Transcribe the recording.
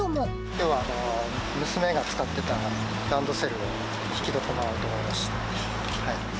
きょうは娘が使ってたランドセルを引き取ってもらおうと思いまして。